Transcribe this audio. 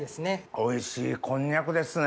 おいしいこんにゃくですね。